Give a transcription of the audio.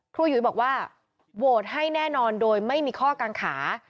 หยุยบอกว่าโหวตให้แน่นอนโดยไม่มีข้อกังขา